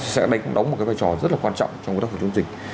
sẽ đánh đóng một cái vai trò rất là quan trọng trong lực lượng phòng chống dịch